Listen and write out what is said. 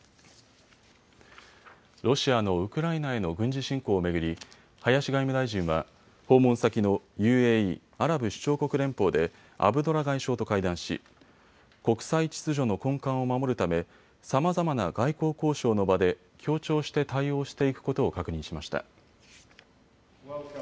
ロシアのウクライナへの軍事侵攻を巡り林外務大臣は訪問先のＵＡＥ・アラブ首長国連邦でアブドラ外相と会談し国際秩序の根幹を守るためさまざまな外交交渉の場で協調して対応していくことを確認しました。